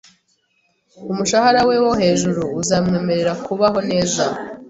Umushahara we wo hejuru uzamwemerera kubaho neza .